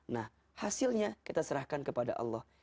nah hasilnya kita serahkan kepada allah